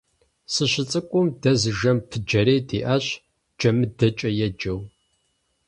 СыщыцӀыкум, дэ зы жэм пыджэрей диӀащ, ДжэмыдэкӀэ еджэу.